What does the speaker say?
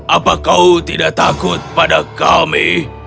apa kau tidak takut pada kami